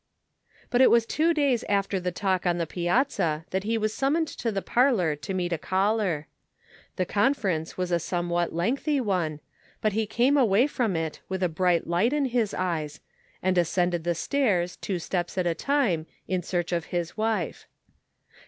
It was but two days after the talk on the piazza that he was summoned to the parlor to meet a caller. The conference was a some what lengthy one, but he came away from it with a bright light in his eyes, and ascended the stairs, two steps at a time, in search of his wife.